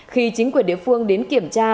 khi chính quyền địa phương đến kiểm tra